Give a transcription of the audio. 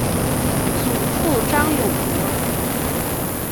祖父张永德。